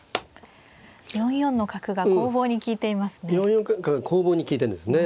４四角が攻防に利いてんですね。